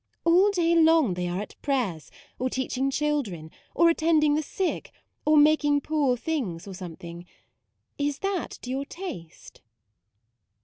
All day long they are at prayers, or teaching children, or attending the sick, or making poor things, or some thing. Is that to your taste